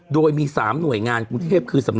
โดยมี๓หน่วยงานคือกรุงเทพฯ